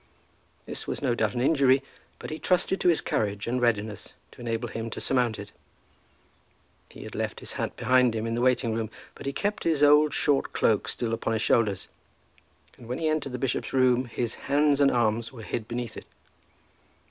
This was no doubt an injury, but he trusted to his courage and readiness to enable him to surmount it. He had left his hat behind him in the waiting room, but he kept his old short cloak still upon his shoulders; and when he entered the bishop's room his hands and arms were hid beneath it.